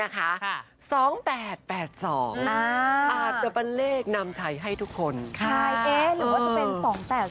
อาหารสองคุณไม่ให้๒๘๐๐๐บาทนะครับ